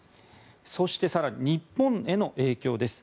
そして、更に日本への影響です。